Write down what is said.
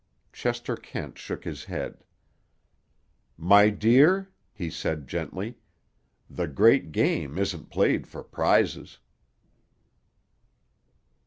Chester Kent shook his head. "My dear," he said gently, "the great game isn't played for prizes."